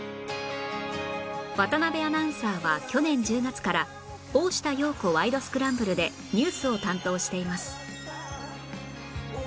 渡辺アナウンサーは去年１０月から『大下容子ワイド！スクランブル』でニュースを担当しています